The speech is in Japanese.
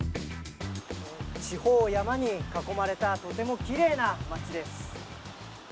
四方を山に囲まれた、とてもきれいな町です。